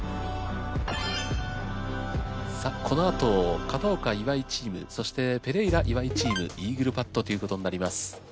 さあこのあと片岡・岩井チームそしてペレイラ・岩井チームイーグルパットということになります。